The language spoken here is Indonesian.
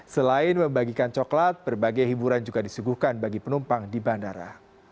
selain membagikan coklat berbagai hiburan juga disuguhkan bagi penumpang di bandara